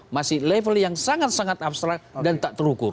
masih level yang sangat sangat abstrak dan tak terukur